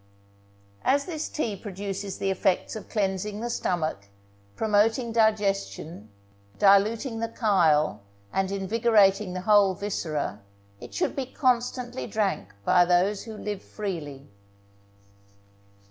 As this tea produces the effects of cleansing the stomach, promoting digestion, diluting the chyle, and invigorating the whole viscera, it should be constantly drank by those who live freely.